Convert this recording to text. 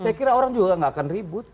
saya kira orang juga gak akan ribut